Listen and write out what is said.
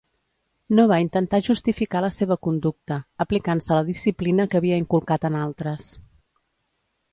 No va intentar justificar la seva conducta, aplicant-se la disciplina que havia inculcat en altres.